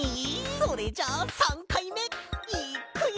それじゃあ３かいめいっくよ！